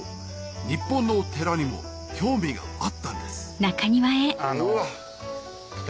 日本のお寺にも興味があったんですうわっ。